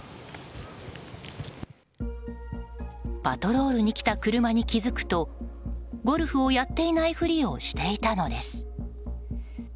パトロールに来た車に気づくとゴルフをやっていないふりをしていたのです。